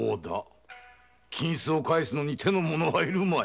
金を返すのに手の者はいるまい。